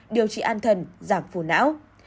điều trị an thần giảm phù não